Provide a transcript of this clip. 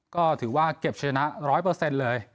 ก็ถือว่าเก็บชนะ๑๐๐เลย